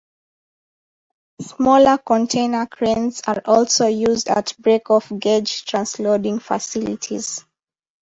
Smaller container cranes are also used at break-of-gauge transloading facilities.